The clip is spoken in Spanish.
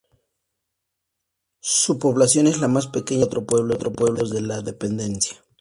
Su población es la más pequeña de los cuatro pueblos de la dependencia.